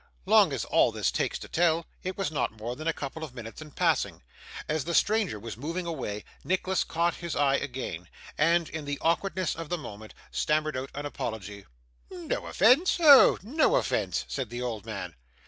Long as all this takes to tell, it was not more than a couple of minutes in passing. As the stranger was moving away, Nicholas caught his eye again, and, in the awkwardness of the moment, stammered out an apology. 'No offence. Oh no offence!' said the old man.